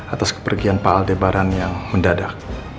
atas kepergian pak aldebaran yang mendadak